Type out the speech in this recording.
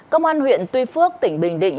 công an huyện tuy phước tỉnh bình định